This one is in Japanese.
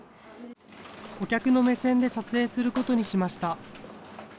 お客の目線で撮影することにしました。